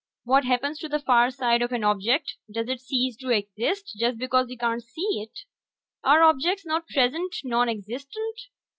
What happens to the far side of an object; does it cease to exist just because we can't see it? Are objects not present nonexistent?